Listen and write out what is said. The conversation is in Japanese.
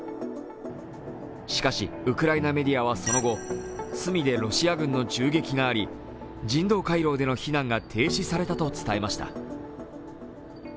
しかし、ウクライナメディアはその後、スミでロシア軍の銃撃があり、人道回廊での避難が停止されたと伝えました。